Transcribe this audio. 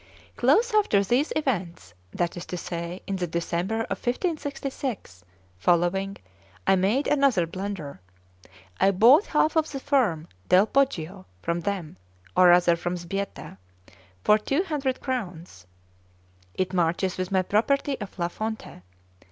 Close after these events, that is to say, in the December of 1566 following, I made another blunder. I bought half of the farm Del Poggio from them, or rather from Sbietta, for two hundred crowns. It marches with my property of La Fonte.